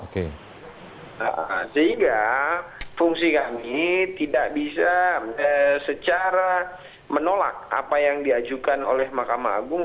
sehingga fungsi kami tidak bisa secara menolak apa yang diajukan oleh mahkamah agung